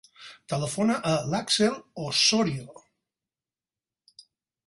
Telefona a l'Axel Ossorio.